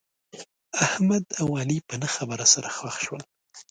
احمد او علي په نه خبره سره خښ شول.